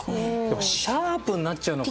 「シャープ」になっちゃうのか。